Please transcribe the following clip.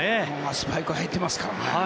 スパイク履いてますからね。